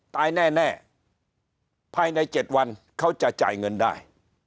ตายแน่ภายใน๗วันเขาจะจ่ายเงินได้